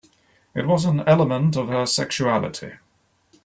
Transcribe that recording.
It was an element of her sexuality.